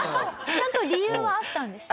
ちゃんと理由はあったんですね。